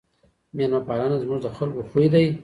ميلمه پالنه زموږ د خلګو خوی دی.